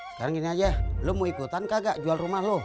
sekarang gini aja lo mau ikutan kagak jual rumah lo